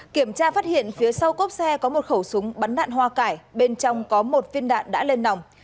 kiểm tra phát hiện phía sau cốp xe có một khẩu súng bắn đạn hoa cải bên trong có một viên đạn đã lên nòng